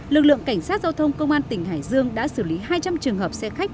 lực lượng cảnh sát giao thông công an tỉnh hải dương đã xử lý hai trăm linh trường hợp xe khách